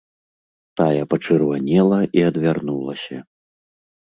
Тая пачырванела і адвярнулася.